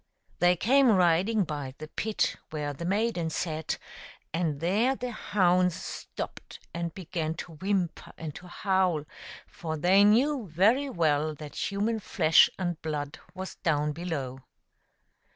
They came riding by the pit where the maiden sat, and there the hounds stopped and began to whimper and to howl, for they knew very well that human flesh and blood was down below.